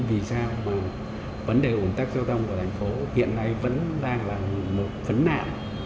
vì sao mà vấn đề ủn tắc giao thông của thành phố hiện nay vẫn đang là một vấn nạn